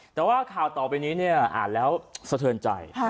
แต่ว่าข่าวต่อไปซุดนี้นี่อ่านแล้วเสริญใจ